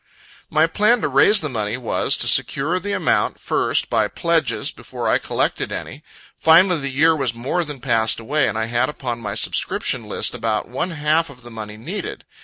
My plan to raise the money was, to secure the amount, first, by pledges, before I collected any.... Finally, the year was more than passed away, and I had upon my subscription list about one half of the money needed.